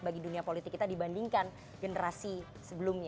bagi dunia politik kita dibandingkan generasi sebelumnya